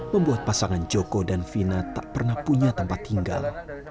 membuat pasangan joko dan vina tak pernah punya tempat tinggal